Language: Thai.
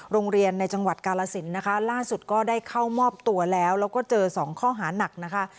ในจังหวัดกาลสินนะคะล่าสุดก็ได้เข้ามอบตัวแล้วแล้วก็เจอสองข้อหานักนะคะ